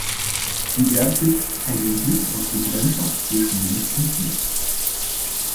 Sie werfe "„einen Blick auf die Freundschaft zwischen Mensch und Hund“".